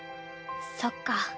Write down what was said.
そっか。